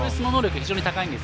非常に高いんです。